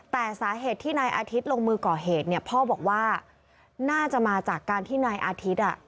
แต่สาเหตุที่นายอาทิตย์ลงมือก่อเหตุเนี่ยพ่อบอกว่าน่าจะมาจากการที่นายอาทิตย์อ่ะ